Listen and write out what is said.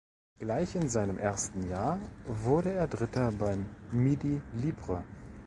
Gleich in seinem ersten Jahr wurde er Dritter beim Midi Libre.